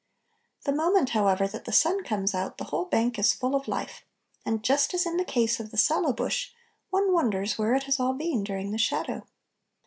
The moment, however, that the sun comes out the whole bank is full of life; and just as in the case of the sallow bush, one wonders where it has all been during the shadow.